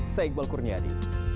saya iqbal kurniadi